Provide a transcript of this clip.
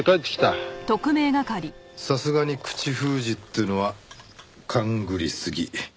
さすがに口封じっていうのは勘繰りすぎ。